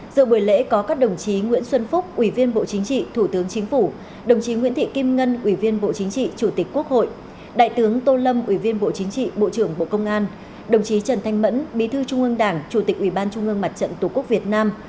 dự buổi lễ có các đồng chí nguyễn xuân phúc ủy viên bộ chính trị thủ tướng chính phủ đồng chí nguyễn thị kim ngân ủy viên bộ chính trị chủ tịch quốc hội đại tướng tô lâm ủy viên bộ chính trị bộ trưởng bộ công an đồng chí trần thanh mẫn bí thư trung ương đảng chủ tịch ủy ban trung ương mặt trận tổ quốc việt nam